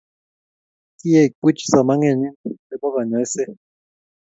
kiek puch somaneng'ing nebo kanyoise?